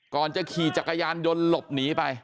ก่อนจะขี่จักรยานยนต์หลบหนีไป